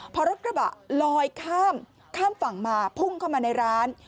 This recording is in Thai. พอรถกระบะลอยข้ามข้ามฝั่งมาพุ่งเข้ามาในร้าน